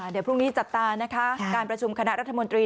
เดี๋ยวพรุ่งนี้จับตานะคะการประชุมคณะรัฐมนตรี